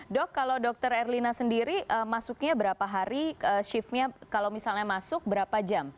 dok kalau dokter erlina sendiri masuknya berapa hari shiftnya kalau misalnya masuk berapa jam